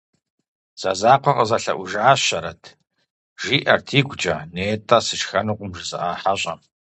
«Зэзакъуэ къызэлъэӏужащэрэт», жиӏэрт игукӏэ, нетӏэ «сышхэнукъым» жызыӏа хьэщӏэм.